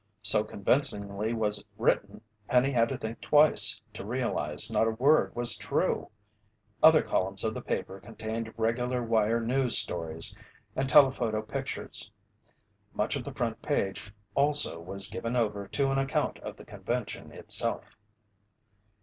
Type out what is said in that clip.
So convincingly was it written, Penny had to think twice to realize not a word was true. Other columns of the paper contained regular wire news stories and telephoto pictures. Much of the front page also was given over to an account of the convention itself.